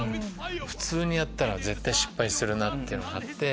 普通にやったら絶対失敗するなぁっていうのがあって。